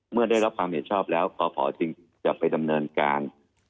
เมื่อได้รับความเห็นชอบแล้วกพจึงจะไปดำเนินการ